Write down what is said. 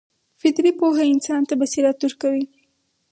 فطري پوهه انسان ته بصیرت ورکوي.